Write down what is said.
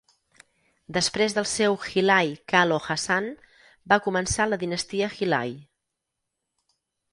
Després del seu Hilai Kalo Hassan va començar la dinastia Hilai.